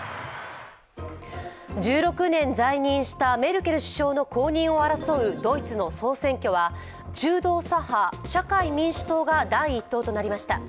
１６年在任したメルケル首相の後任を争うドイツの総選挙は中道左派、社会民主党が第１党となりました。